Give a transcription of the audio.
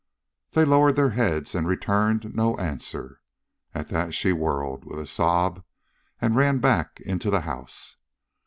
They lowered their heads and returned no answer. At that she whirled with a sob and ran back into the house.